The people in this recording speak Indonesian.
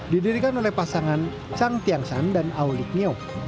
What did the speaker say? didirikan oleh pasangan chang tiangshan dan aulik nyo